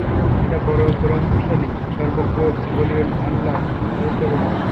এটা পরাক্রমশালী, সর্বজ্ঞ অল্লিাহর ব্যবস্থাপনা।